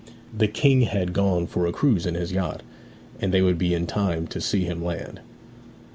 The King had gone for a cruise in his yacht, and they would be in time to see him land.